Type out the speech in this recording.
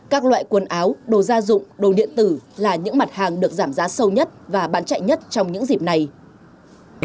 các loại quần áo đồ gia dụng đồ điện tử là những mặt hàng được giảm giá sâu nhất và bán chạy nhất trong những dịp này